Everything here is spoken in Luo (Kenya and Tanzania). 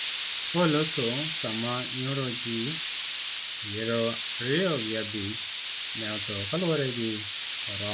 Oloso sama nyoro ji piero ariyo gi abich ne otho kaluwore gi korona.